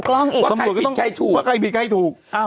ว่าใครปิดไข้ถูก